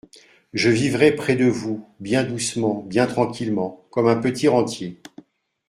Je vivrai près de vous bien doucement, bien tranquillement, comme un petit rentier.